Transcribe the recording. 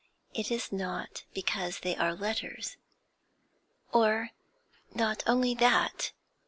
It is not because they are letters or not only that.